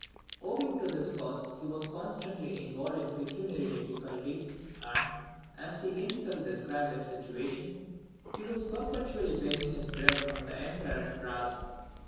Owing to this cause he was constantly involved in pecuniary difficulties, and, as he himself described his situation, he was perpetually begging his bread from the Emperor at Prague.